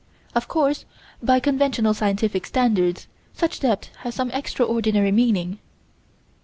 Of course, by conventional scientific standards, such depth has some extraordinary meaning.